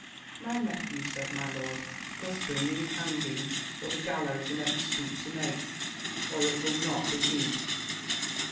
"My nephew," said my lord, "must bring in hanging, or the gallows in every speech he makes, or it will not be he."